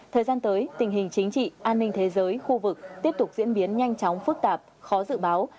thời gian tới tình hình chính trị an ninh thế giới khu vực tiếp tục diễn biến nhanh chóng phức tạp khó dự báo